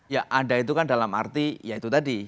ya ada itu kan dalam arti ya itu tadi